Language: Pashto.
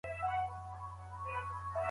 هغه اقتصادي رفاه ته ډېر ارزښت ورکوي.